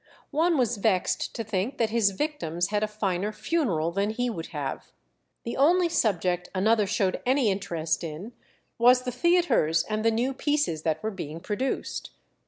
One was vexed to think that his victims had a finer funeral than he would have. The only subject another showed any interest in was the theatres and the new pieces that were being produced.